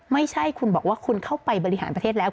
ไม่ใช่คุณบอกว่าคุณเข้าไปบริหารประเทศแล้ว